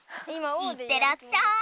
いってらっしゃい！